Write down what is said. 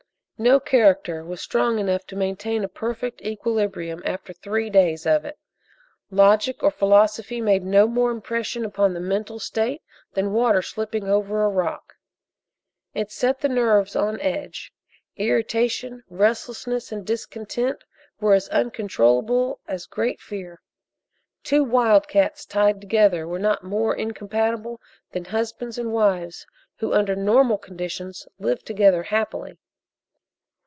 No character was strong enough to maintain a perfect equilibrium after three days of it. Logic or philosophy made no more impression upon the mental state than water slipping over a rock. It set the nerves on edge. Irritation, restlessness and discontent were as uncontrollable as great fear. Two wildcats tied together were not more incompatible than husbands and wives, who under normal conditions lived together happily.